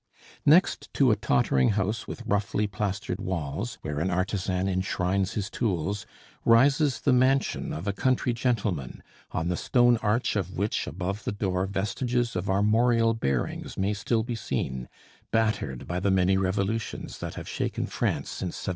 Next to a tottering house with roughly plastered walls, where an artisan enshrines his tools, rises the mansion of a country gentleman, on the stone arch of which above the door vestiges of armorial bearings may still be seen, battered by the many revolutions that have shaken France since 1789.